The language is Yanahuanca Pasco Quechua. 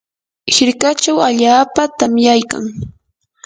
hirkachaw allaapa tamyaykan.